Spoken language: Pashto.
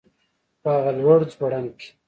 په هغه لوړ ځوړند کي